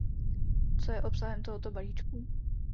Co je obsahem tohoto balíčku?